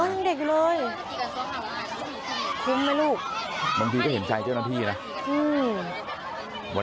อ้าวเด็กเลยคุ้มไหมลูกบางทีก็เห็นใจเจ้าหน้าที่นะอืม